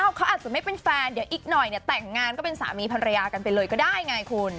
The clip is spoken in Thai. เขาอาจจะไม่เป็นแฟนเดี๋ยวอีกหน่อยเนี่ยแต่งงานก็เป็นสามีภรรยากันไปเลยก็ได้ไงคุณ